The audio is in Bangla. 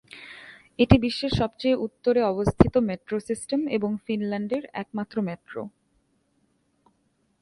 এটি বিশ্বের সবচেয়ে উত্তরে অবস্থিত মেট্রো সিস্টেম এবং ফিনল্যান্ডের একমাত্র মেট্রো।